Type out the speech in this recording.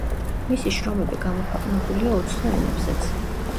მისი შრომები გამოქვეყნებულია უცხო ენებზეც.